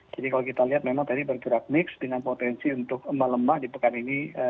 kalau kita lihat memang tadi bergerak mix dengan potensi untuk melemah di pekan ini